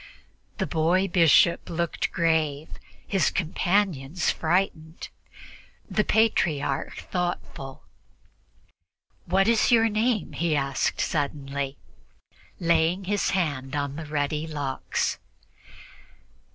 The boy bishop looked grave, his companions frightened, the Patriarch thoughtful. "What is your name?" he asked suddenly, laying his hand on the ruddy locks.